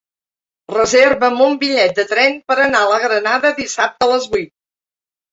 Reserva'm un bitllet de tren per anar a la Granada dissabte a les vuit.